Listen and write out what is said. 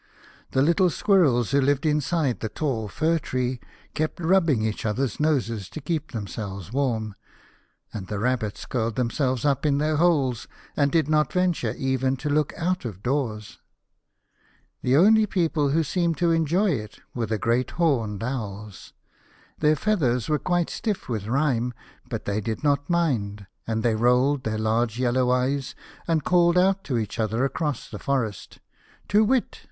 The little Squirrels, who lived inside the tall fir tree, kept rubbing each other's noses to keep them selves warm, and the Rabbits curled them selves up in their holes, and did not venture even to look out of doors. The only people 130 The Star Child. who seemed to enjoy it were the great horned Owls. Their feathers were quite stiff with rime, but they did not mind, and they rolled their large yellow eyes, and called out to each other across the forest, "Tu whit